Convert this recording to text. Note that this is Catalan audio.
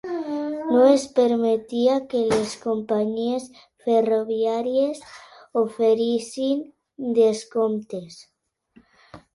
No es permetia que les companyies ferroviàries oferissin descomptes.